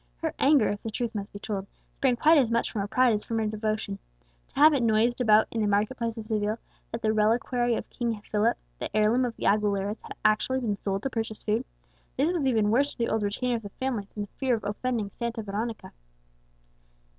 Her anger, if the truth must be told, sprang quite as much from her pride as from her devotion. To have it noised about in the market place of Seville that the reliquary of King Philip, the heirloom of the Aguileras, had actually been sold to purchase food, this was even worse to the old retainer of the family than the fear of offending Santa Veronica.